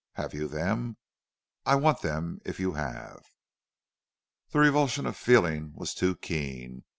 Have you them? I want them if you have.' "The revulsion of feeling was too keen.